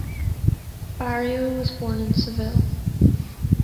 Barrio was born in Seville.